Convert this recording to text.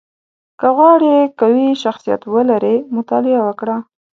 • که غواړې قوي شخصیت ولرې، مطالعه وکړه.